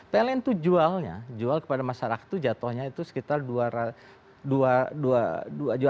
pln itu jualnya jual kepada masyarakat itu jatuhnya itu sekitar dua juta